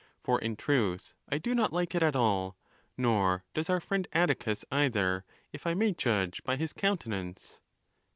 For am truth I do not like it at all, nor does our friend Atticus either, if I may judge by his countenance.